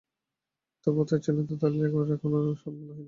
তবু তার ছিন্নতায় তালি লাগাবার সময় এখনো সম্পূর্ণ যায় নি।